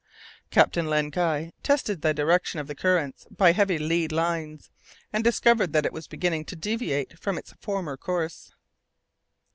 Captain Len Guy tested the direction of the current repeatedly by heavy lead lines, and discovered that it was beginning to deviate from its former course.